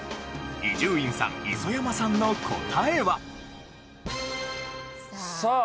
伊集院さん磯山さんの答えは？さあ。